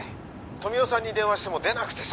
富生さんに電話しても出なくてさ。